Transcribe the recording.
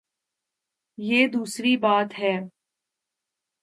یہ دوسری بات ہے۔